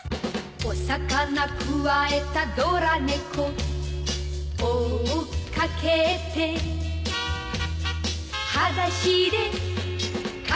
「お魚くわえたドラ猫」「追っかけて」「はだしでかけてく」